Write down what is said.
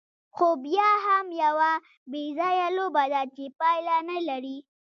خو بیا هم یوه بېځایه لوبه ده، چې پایله نه لري.